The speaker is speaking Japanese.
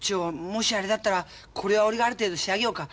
もしあれだったらこれは俺がある程度仕上げようか？